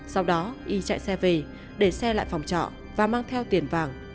sau đó y chạy xe về để xe lại phòng trọ và mang theo tiền vàng